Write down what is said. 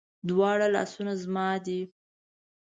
دواړه لاسونه زما دي